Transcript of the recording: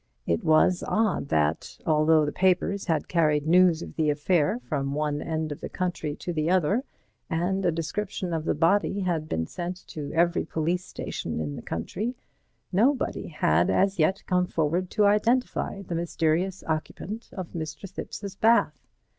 It was odd that, although the papers had carried news of the affair from one end of the country to the other and a description of the body had been sent to every police station in the country, nobody had as yet come forward to identify the mysterious occupant of Mr. Thipps's bath.